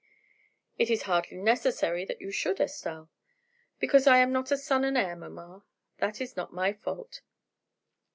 "It is hardly necessary that you should, Estelle." "Because I am not a son and heir, mamma, that is not my fault.